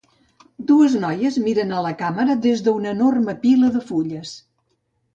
Dues noies miren a la càmera des d'una enorme pila de fulles.